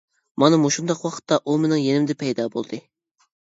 مانا مۇشۇنداق ۋاقىتتا ئۇ مېنىڭ يېنىمدا پەيدا بولدى.